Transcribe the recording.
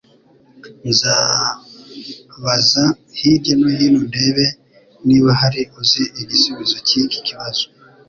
Nzabaza hirya no hino ndebe niba hari uzi igisubizo cyiki kibazo